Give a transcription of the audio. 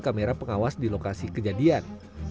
kamera pengawas di lokasi kejadian